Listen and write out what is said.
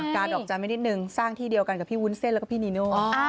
การดอกจันทร์ไว้นิดนึงสร้างที่เดียวกันกับพี่วุ้นเส้นแล้วก็พี่นีโน่